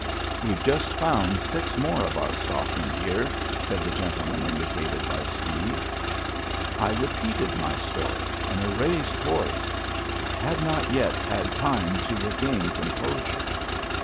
"We've just found six more of our stock in here," said the gentleman indicated by Speed. I repeated my story . in a raised voice — I had not yet had time to regain composure.